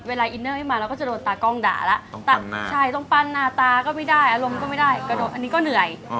อินเนอร์ให้มาเราก็จะโดนตากล้องด่าแล้วใช่ต้องปั้นหน้าตาก็ไม่ได้อารมณ์ก็ไม่ได้กระโดดอันนี้ก็เหนื่อย